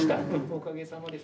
おかげさまで。